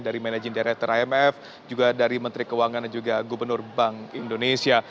dari managing director imf juga dari menteri keuangan dan juga gubernur bank indonesia